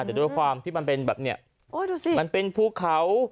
แต่ด้วยความที่มันเป็นแบบเนี่ยโอ้ยดูสิมันเป็นภูเขา